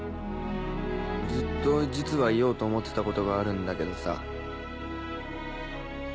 ずっと実は言おうと思ってたことがあるんだけどさ。